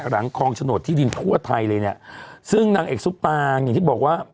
หลังคลองโฉนดที่ดินทั่วไทยเลยเนี่ยซึ่งนางเอกซุปตางอย่างที่บอกว่า